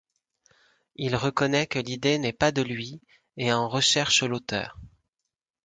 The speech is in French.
Il reconnaît que l'idée n'est pas de lui et en recherche l'auteur.